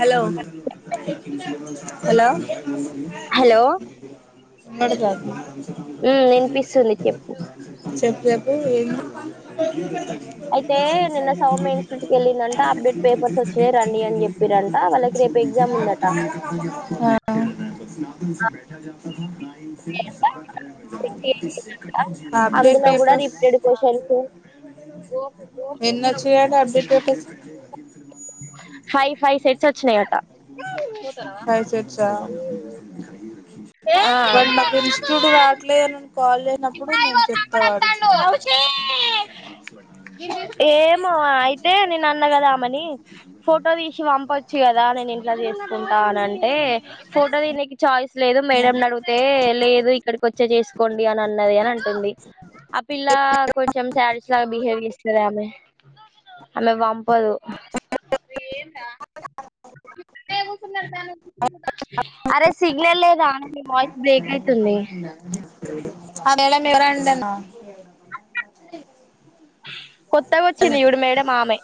Hello hello hello వినడంతంది ఉమ్ వినిపిస్తుంది చెప్పు చెప్పు చెప్ [inaudible] అయితే నిన్న సౌమ్య ఇన్స్టిట్యూట్ కి వెళ్లిందంట అప్డేట్ పేపర్స్ వచ్చినాయి రండి అని చెప్ ఆ [unintelligible] చేసిందట అప్డేట్ అందులో కూడా పేపర్స్ రిపీటెడ్ క్వశ్చన్స్ ఎన్నోచ్చయట update papers [inaudible] five five sets వచ్చినాయట ఫైవ్ సెట్స్ ఆ వాడు ఈ మధ్య ఇన్స్టిట్యూట్ ఆ. రావట్లేదు అని అన్ ఏమో అయితే నేను అన్న కదా ని ఫోటో తీసి పంపొచ్చు కదా నేను ఇంట్లా చేస్ కుంటా అనంటే ఫోటో తీయనీకి చాయిస్ లేదు మేడం నడిగితే లేదు ఇక్కడికి వచ్చే చే కొండి అని అన్ అని అంటుంది ఆ పిల్ల కొంచెం శాడిస్ట్ లాగా బిహేవ్ చే ఆమె అలా పంపదు అరే సిగ్నల్ లేదా నీ వాయిస్ బ్రేక్ అయితుంది [unintelligible] కొత్తగా వచ్చింది చూడు మేడం ఆమె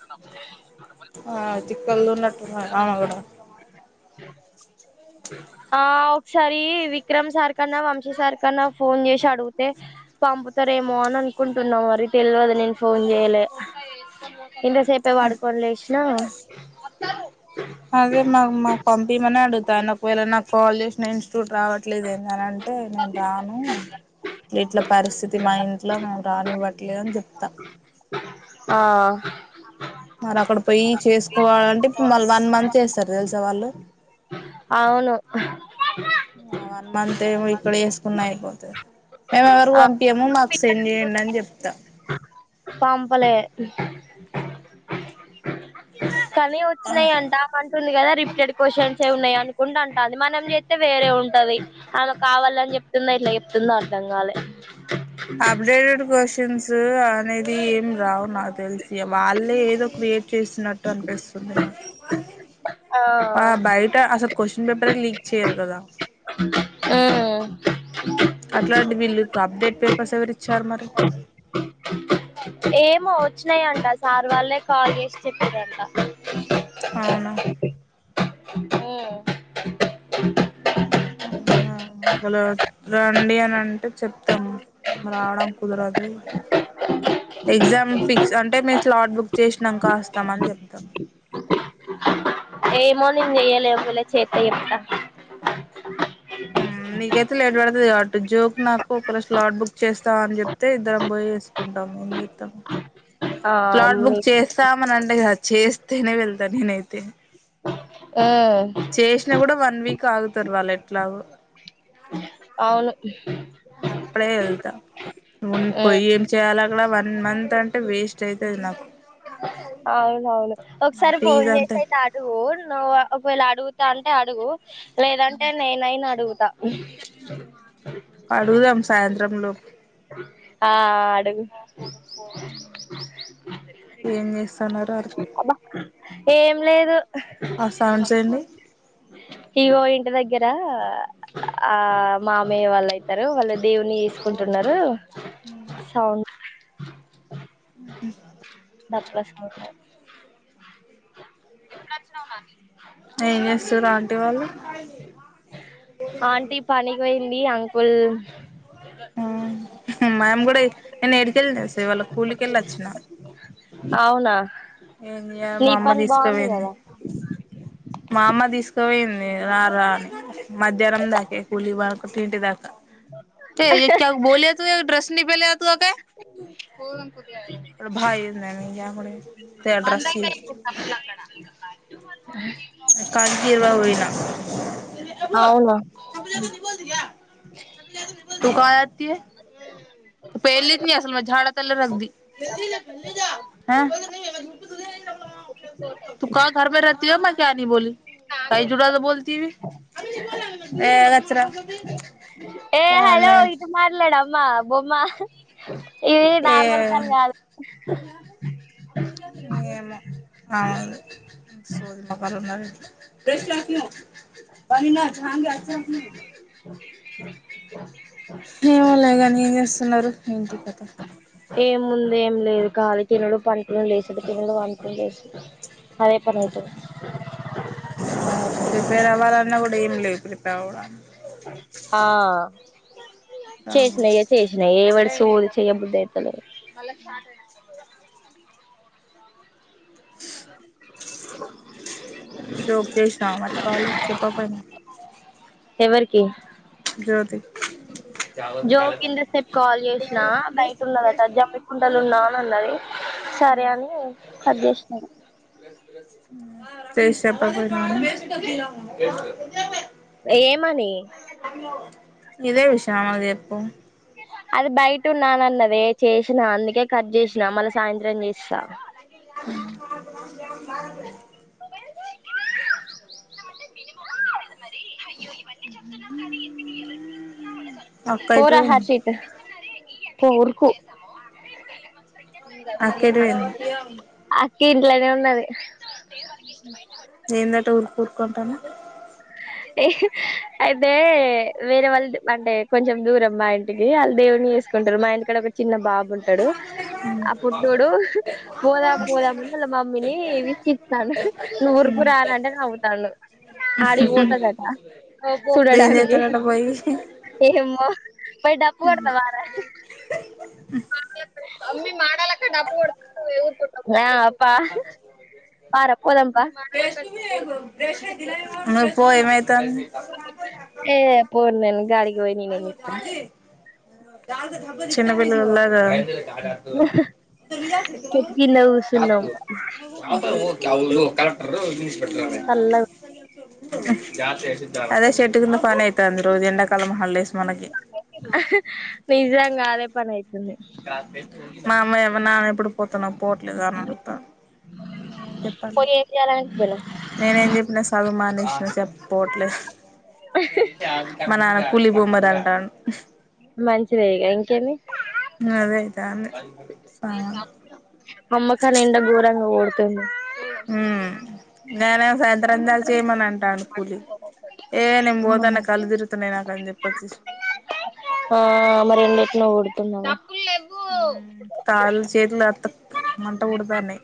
ఆ తిక్కల్దున్నట్టుంది ఆమె కూడా ఆ ఒకసారి విక్రమ్ సార్ కన్నా వంశీ సార్ కన్నా ఫోన్ చేసి అడిగితే పంపుతారేమో అని అనుకుంటున్నా మరి తెలువదు నేను ఫోన్ చేయలే ఇంతసేపే పడుకోని లేసినా అ అదే మా మా పంపి మనే ఆడు తా ఒకవేళ నాకు కాల్ చేసిన ఇన్స్టిట్యూట్ రావట్లేదు ఏందని అంటే నేను రాను ఇట్ల పరిస్థితి మా ఇంట్ల మేము రానివ్వట్లేదని చెప్తా ఆ మరక్కడ పోొయి చేసుకోవాలంటే ఇప్ మళ్ వన్ మంత్ చేస్తారు తెలుసా వాళ్ళు అవును వన్ మంత్ ఏమో ఇక్కడ చేసుకున్న అయిపోతది మేము ఎవరికి ఆ పంపియము మాకు సెండ్ చేయండి అని చెప్తా పంపలే కనీ ఒచ్చినయంట ఆ మంత్ టుంది కదా రిపీటెడ్ క్వశ్చన్స్ ఏ ఉన్నాయి అనుకుంట అంటంది మనం చేస్తే వేరే ఉంటది ఆమె కావాలని చెప్తుందా ఇట్లా చెప్తుందో అర్థంగాలే అప్డేడేట్ కోష్ న్స్ అనేది ఏం రావు నాకు తెల్ సి వాళ్ళే ఏదో క్రియేట్ చేస్తున్నట్టు అనిపిస్తుంది నాకు ఆ బయట అసల్ క్వశ్చన్ పేపర్ ఏ లీక్ చేయ్యరు కదా హు అట్లాంటి వీళ్ళుకి అప్డేట్ పేపర్స్ ఎవరు ఇచ్చారు మరి ఏమో వచ్చినాయంట సార్ వాళ్ళే కాల్ చేసి చెప్పిరంట అవునా అ అంతలో రండి అని అంటే చెప్తాం రావడం కుదరదు ఎగ్జామ్ ఫిక్స్ అంటే మేము స్లాట్ బుక్ చేసినంక వస్తాం అని చెప్తా ఏమొ నిన్ చెయ్యలే ఒకవేళ చేతె చెప్తా హు నీకైతే లేట్ పడుతది అట్టు జోక్ నాకు ఒకరు స్లాట్ బుక్ చేస్తావా అని చెప్తే ఇద్దరం పోయి వేసుకుంటాం ఏం చెతం ఆ స్లాట్ బుక్ మీ చేస్తాం మనంటే కాదు అచేస్తేనే వెళ్తా నేనైతే చేసినా కూడా హు వన్ వీక్ ఆగుతారు వాళ్ళ ఎట్లాగు అవును నువ్ పోొయి ఏం చేయాల లా వన్ మంత్ అంటే వేస్ స్టైతది నాక్ అవును అవును ఒకసారి ఫోన్ అంతే చేసేతే ఇటఅడుగు నువ్వు ఒ ఒకేళ్ళ అడుగుతా అంటే అడుగు లేదంటే నేనయిన అడుగు దా ఉ అడుగుదాం సాయంత్రం లోపు ఆ అడుగు ఏం చేస్తన్నారు అర్ అబా ఏం లేదు ఆ సౌవుండ్స్ ఎంది ఇగో ఇంటి దగ్గర ఆ మామయ్య వాళ్ళు అైతారు వాళ్ళు దేవుని తీసుకుంటున్నారు అ ఉ డప్పస్ మోహంది త్తె ఏం చేస్తు రాంటి వాళ్ళు ఆంటి పని గోయి డి అంకుల్ అ మేము కూడా నేను ఎడికెళతిస్ ఇవాళ్ళ కూలీకెళ్ళి వచ్చిన అవునా ఏం చేయాల్ నీ మ అమ్మ పని బాగుంది తీసుకుపోయింది. కదా మా అమ్మా తీసుకోపోయింది. రా రాని మధ్యాహ్నం దాకే కులీ బ పంటి దాకా కే బోలి డ్రెస్ నిపలి త భ మందయితే కుడ ములాకరణ టువల్ కాజకిీర్ ఇవా పోయినా అబో అవునా యూనిటిలిజిబుల్ తు కా రహతిహె పేల్లీ త్ని అసల్ ఝాడా తల్లే రగ్గేది త కాఘర్ మే రకతి హ్ కనీ బోల్ కయికు జుడాకో బోత్తి ఏ గచ్చురో ఏ హలో అ ఇటు మాట్లాడమ్మా బొమ్మ ఇది ఏ నార్మల్ కాల్ కాదు ఎమో నా సోదిమకన్ ఉన్నది యు నిట్లిజిబుల్ ఏమో లేగాని ఏం చేస్తున్నారు ఏంటి కథ ఏంముంది ఏం లేదు కాలి తినుడు పంటలు లేసాడు తినుడు వంటలు లేసడు అదే పని అయితుంది ప్రిపేర్ అవ్వాలన్నా కూడా ఏం లేవు ప్రిపేర్ అవ్వవుగ ఆ చేసినయ చేసినయ ఏం వర్షం తో ల్ చెయ బుద్ధి అయితలేదు ఇదో ఒక చేసినా మరి కాలు చెప్ప పెట్ట ఎవరికి జ్యోతి జో కింద ఇంత సేపు కాల్ జేసినా బయట ఉన్నదట జమ్మికుంటలు ఉన్నా అని అన్నది సరే అని కట్ జేసినాను. చేస్ చెప్ప పోయిన్నాము. ఏం ఇదే విషయమ మాకు జెప్ పొ అది బయట ఉన్నానన్నదే చేసినా అందుకే కట్ జేసినా మళ్ళ సాయంత్రం జేస్తా. అహ్ ఏమ్ బాబు అక్క ఎటు పోరా పోయింది హర్షిత్ పొ ఉరుకు అక్క ఎటు పోయింది అక్క ఏది ఇలాగే ఉన్నది నేందట ఉరు ఉర్కుంటన అయితే వేరే వాళ్ళది అంటే కొంచెం దూరం మా ఇంటికి. ఏ ఆళ్ళు దేవున్ని ఎస్కుంటారు మా ఇంటికాడ ఒక చిన్న బాబు ఉంటాడు ఆ పొట్టోడు పోదాం పోదామని వాళ్ళ మమ్మీని విసికిస్తాండు నువ్వు ఉరుకు రానంటే నవ్వుతాండు. డికి పోతాదట ఏం చూడడానికి చేస్తారట పోయి ఏమో పోయి డప్పుు కొడతవారా అమ్మి మాడలక్ డబ్బ ఒడిక్ ఎదో తొ న్యాప్ పా పార పోదాం ప నువ్వు పో ఏమైతాంది ఏ పొన్ నేన్ గాడికి యోయ్ నేన్ ఏం జేస్తానా చిన్నపిల్లల్ ల్లాగా చెట్టు కింద కూసున్నాం అవును కలక్టర్రు ఇనిస్ పట్టుకు రావే చల్లగా అదే చెెట్టు కింద పని అయితాంది రోజు ఎండ కాలమ హళ్ళేస్ నిజంగాదే పర్నెయి మా అమ్మ ఏమన్న ఎప్పుడు పోతున్నా పోట్లేద అని అడుగుతా నేన చెప్పాలి. పోయి ఏం చేయాలనిపోయినావ్ నేనే ఏం చెప్పినా సదువ్ మానేసిన చె పోట్లేదు మా నాన్ పులి బూమ్రాఅంటంద్ మంచిది ఇగ ఇం కని అదే అయితాంది సామాన్ మమ్మకనం గోర ఓడ్ తిండే హ నేనే సాయంత్ర అందా చేయమని అంటా అను కూలి ఏ నేను పోతాన్న కల్లుదిరుతున్నాయి. నాక అని చెప్పొచ్చుసి ఆ మరి ఎండ ఎట్నో కొడుతున్నగా ఉమ్ కాల్ చేతులు అత్ మంట పుడుతాన్నయ్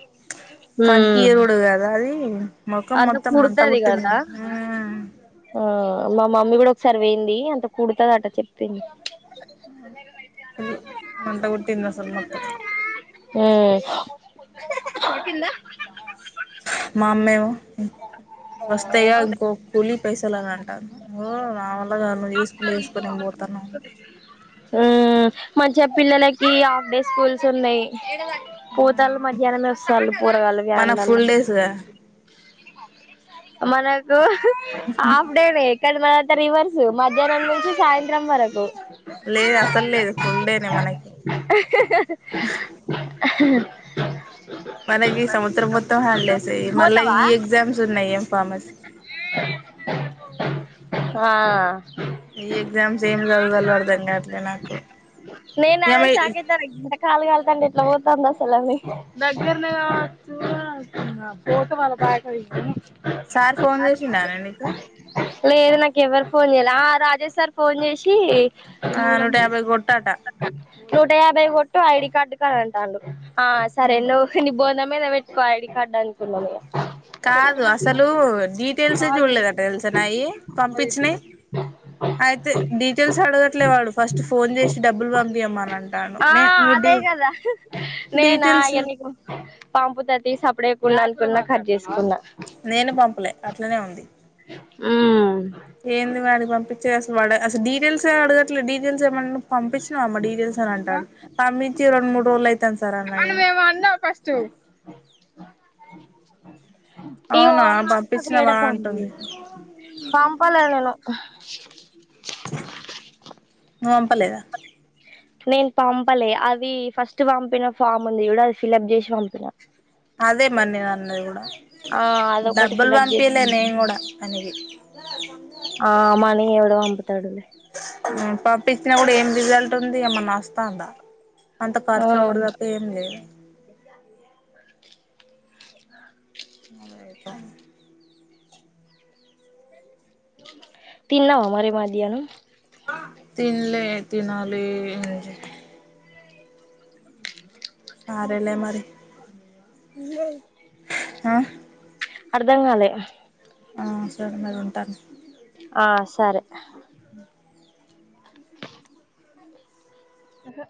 ఉమ్ కంకీర్ కుడు తదా అది మొఖం అంత మొత్తం మంట పుట్టింది కుడతాదిగదా. ఉమ్ ఊ మా మమ్మీ కూడా సర్వయింది అంత కుడుతది అంట చెప్పింది. అల్ మంటగొట్టింద అసల్ మత్త ఉ మాఅమ్మేవో వస్తయా లిైసలాంటా ఊమ్ మంచిగ పిల్లలక్ ఈ ఆఫ్ డే స్కూల్స్ ఉన్నయ్ పూతాల మధ్యాహ్నమే వస్తళ్ళు కూూరగాళ్ల మనకు వ్యానులలో ఫుల్ డేస్ గా మనకు హాఫ్ డే వేక్కడి న రివరు మధ్యాహ్నం నుంచి సాయంత్రం వరకు లేదు అసలు లేదు ఫుల్ డేనే మనకి అ మనకి సముద్రం మొత్తం హ్యాండ్ల్సేయి మళ్ళా పోతవా ఈ ఎగ్జామ్స్ ఉన్నాయి ఏం ఫామ్ బస్ ఆ ఈ ఎగ్జామ్స్ ఏం చదవాలో అర్థం కాట్లే నాకు నేను ఏమ అదే షాక్ దగ్గరనే గా చూడాల్సింది పోతే వాళ్ళ బా [unintelligible] సార్ ఫోన్ చేసిండానే నీకు లేదు నాకు ఎవ్వరు ఫోన్ చేయాల ఆ రాజా సార్ ఫోన్ చేసి ఆ నూట యాభై కొట్టాట నూట యాభై కొట్టు ఐడి కార్డు కని అంటాండు ఆ సరే నువ్ ని బోధాం [unintelligible] మీద పెట్టుకో ఐడీ కార్డు అనుకున్నానిగ కాదు అసలు డీటెయిల్సే చూడలేదంట తెలుసా నాయి పంపించినయి అయితే డీటెయిల్స్ అడగట్లే వాడు ఫస్ట్ ఫోన్ చేసి డబ్బులు పంపీయమని అంటాండు ఆ నేను నువ్వు డీ అదే కదా నేనా డీటెయిల్స్ సప్పుడేయకుండా అనుకున్నా కట్ చేసుకున్నా నేను పంపలే అట్లనే ఉంది హ్మ్ ఏంది వాడికి పంపించేది అసలు వాడు అస డీటెయిల్స్ ఏ అడగట్లే డీటెయిల్స్ ఏమన్నా పంపించినావా అమ్మ డీటెయిల్స్ అని అంటాడు పంపించి రెండు మూడు రోజులు అయితాంది సార్ అన్న నేను ఈ అవునా ఓమా పంపించినవా తిడతాంది అంటుంది పంపలే నేను నువ్ పంపలేద నేను పంపలే అది ఫస్ట్ పంపిన ఫామ్ ఉంది చూడు అది ఫిలప్ చేసి పంపిన అదే మరి నేన్నది గూడా ఆ అదొకటి డబ్బులు ఫిలప్ చేసి పంపిలే పంపిన నేను కూడా తనకి ఆ మనీ ఎవడు పంపుతాడులే పంపించినా కూడా ఏం రిజల్ట్ ఉంది ఏమన్నా వస్తాందా అంత ఆ ఖర్చు అవ్వుడు తప్ప ఏం లేదు [inaudible] తిన్నావా మరి మధ్యాహ్నం తినలే తినాలి సరేలే మరి హ్మ్ ఆ అర్ధం కాలే ఆ సరే మరి ఉంటాను ఆ సరే అహే